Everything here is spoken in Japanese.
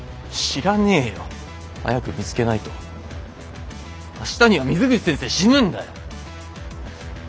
知らねえよ！早く見つけないと明日には水口先生死ぬんだよ！